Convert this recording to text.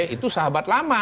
itu sahabat lama